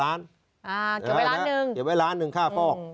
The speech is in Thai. อ่าเกี่ยวไว้ล้านนึงเกี่ยวไว้ล้านนึงค่าฟอก